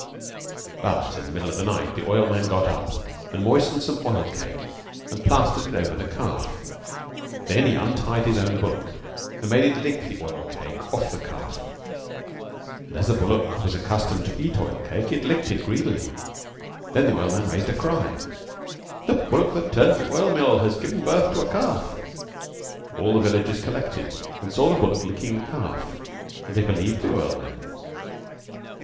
But in the middle of the night the oilman got up and moistened some oil cake and plastered it over the calf; he then untied his own bullock and made it lick the oil cake off the calf, and as the bullock was accustomed to eat oil cake it licked it greedily; then the oilman raised a cry, "The bullock that turns the oil mill has given birth to a calf." And all the villagers collected, and saw the bullock licking the calf and they believed the oilman.